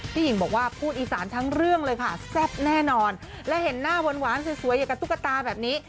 หญิงบอกว่าพูดอีสานทั้งเรื่องเลยค่ะแซ่บแน่นอนและเห็นหน้าหวานสวยอย่างกับตุ๊กตาแบบนี้